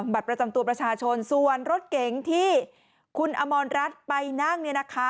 บัตรประจำตัวประชาชนส่วนรถเก๋งที่คุณอมรัฐไปนั่ง